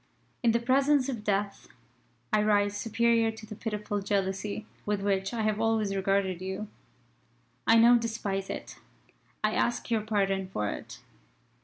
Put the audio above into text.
"In the presence of Death, I rise superior to the pitiful jealousy with which I have always regarded you. I now despise it. I ask your pardon for it.